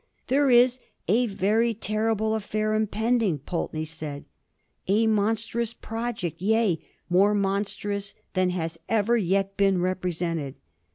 There is * a very terrible affair impending,' Pulteney said, * a mon strous project — ^yea, more monstrous than has ever yet been represented.